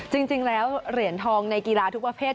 จริงแล้วเหรียญทองในกีฬาทุกประเภท